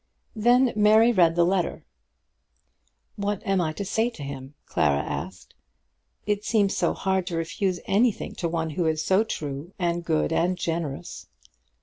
Then Mary read the letter. "What am I to say to him?" Clara asked. "It seems so hard to refuse anything to one who is so true, and good, and generous."